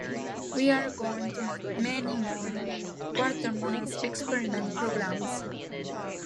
We are going to need "many" more 'Quatermass Experiment' programmes.